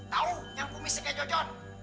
tahu yang kumisiknya jojo